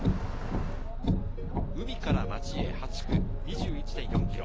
海から町へ８区、２１．４ｋｍ。